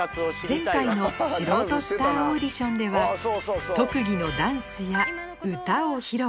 前回の素人スターオーディションでは特技のダンスや歌を披露